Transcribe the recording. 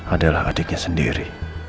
adalah adiknya sendiri